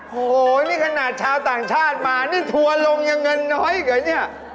โหนี่ขนาดชาวต่างชาติมานี่ถั่วลงอย่างเงินน้อยเหรอเนี่ย